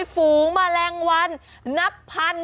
ฝูงแมลงวันนับพัน